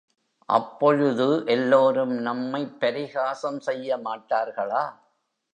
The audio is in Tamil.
அப்பொழுது எல்லோரும் நம்மைப் பரிகாசம் செய்ய மாட்டார்களா?